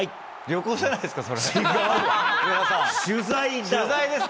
旅行じゃないですか？